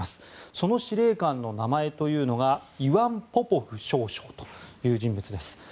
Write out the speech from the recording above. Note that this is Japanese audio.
その司令官の名前がイワン・ポポフ少将という人物です。